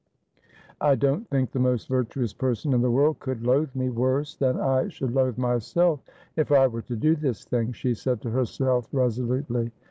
' I don't think the most virtuous person in the world could loathe me worse than I should loathe myself, if I were to do this thing,' she said to herself resolutely.